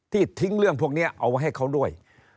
ทิ้งเรื่องพวกนี้เอาไว้ให้เขาด้วย